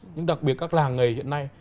những đặc biệt các làng nghề hiện nay